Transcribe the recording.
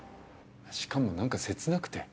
しかもなんか切なくて。